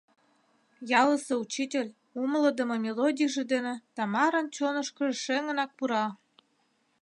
Ялысе учитель умылыдымо мелодийже дене Тамаран чонышкыжо шеҥынак пура...